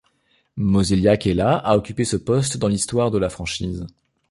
Mozeliak est la à occuper ce poste dans l'histoire de la franchise.